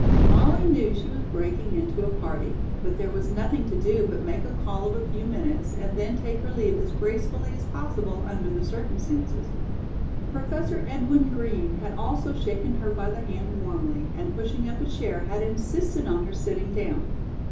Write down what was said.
Molly knew she was breaking into a party, but there was nothing to do but make a call of a few minutes and then take her leave as gracefully as possible under the circumstances. Professor Edwin Green had also shaken her by the hand warmly, and pushing up a chair had insisted on her sitting down.